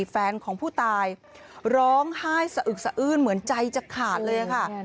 แฟนของผู้ตายร้องไห้สะอึกสะอื้นเหมือนใจจะขาดเลยค่ะ